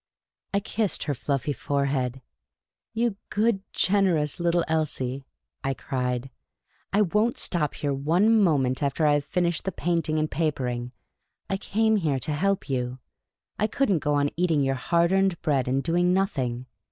I kissed her fluffy forehead. '' You good, generous little Elsie !" I cried ;" I won't stop here one moment after I have finished the painting and papering. I came here to help you. I could n't go on eating j'our hard earned bread and doing nothing.